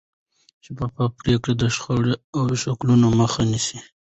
شفافه پرېکړې د شخړو او شکونو مخه نیسي